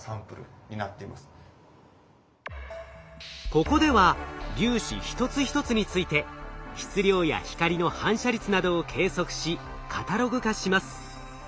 ここでは粒子一つ一つについて質量や光の反射率などを計測しカタログ化します。